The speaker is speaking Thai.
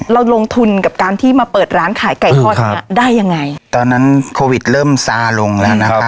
เราลงทุนกับการที่มาเปิดร้านขายไก่ทอดเนี้ยได้ยังไงตอนนั้นโควิดเริ่มซาลงแล้วนะครับ